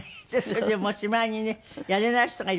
それで持ち前にねやれない人がいるとね